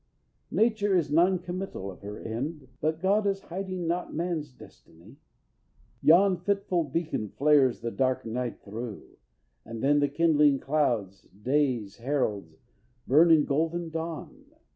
Nature is non committal of her end, But God is hiding not man's destiny. Yon fitful beacon flares the dark night through, And then the kindling clouds, day's heralds, burn In golden dawn.